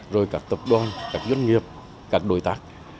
rồi các tập đoàn các doanh nghiệp các đối tác